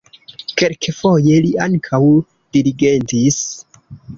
Kelkfoje li ankaŭ dirigentis.